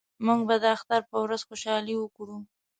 موږ به د اختر په ورځ خوشحالي وکړو